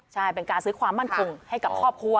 ใช่เป็นการซื้อความมั่นคงให้กับครอบครัว